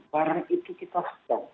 barang itu kita stok